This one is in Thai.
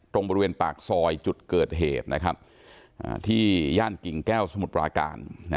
ตรงบริเวณปากซอยจุดเกิดเหตุที่ย่านกิ่งแก้วสมุทรปราการ